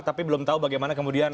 tapi belum tahu bagaimana kemudian